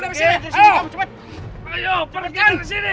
ayo pergi dari sini